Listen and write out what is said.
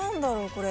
これ。